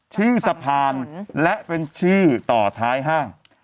ชื่อสะพานและเป็นชื่อต่อท้ายห้าง